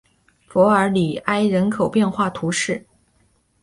弗尔里埃人口变化图示